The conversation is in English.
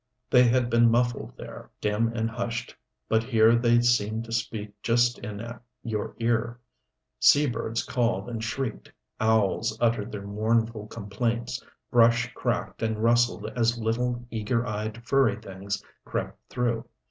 They had been muffled there, dim and hushed, but here they seemed to speak just in your ear. Sea birds called and shrieked, owls uttered their mournful complaints, brush cracked and rustled as little, eager eyed furry things crept through.